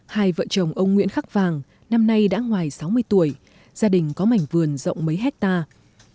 hai vợ chồng ông nguyễn khắc vàng năm nay đã ngoài sáu mươi tuổi gia đình có mảnh vườn rộng mấy hectare